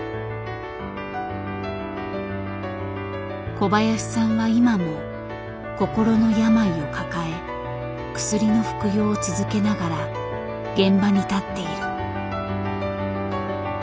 小林さんは今も心の病を抱え薬の服用を続けながら現場に立っている。